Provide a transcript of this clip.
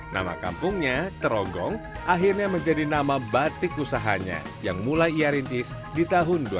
nama kampungnya terogong akhirnya menjadi nama batik usahanya yang mulai ia rintis di tahun dua ribu